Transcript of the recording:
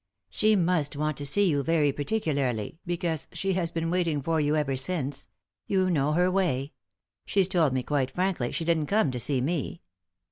She must want to see you very particularly, because she has been waiting for you ever since — you know her way; she's told me quite frankly she didn't come to see me.